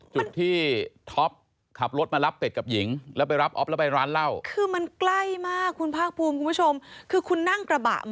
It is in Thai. จุดที่ท็อปขับรถมารับเป็ดกับหญิง